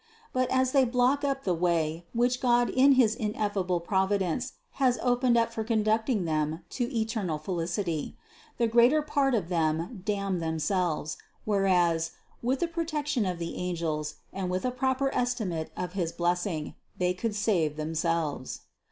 But as they block up the way, which God in his ineffable Providence has opened up for conducting them to eternal felicity, the greater part of them damn themselves, whereas, with the protection of the angels and with a proper estimate of his blessing, they could save themselves.